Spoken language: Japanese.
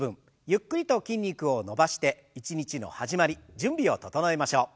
ゆっくりと筋肉を伸ばして一日の始まり準備を整えましょう。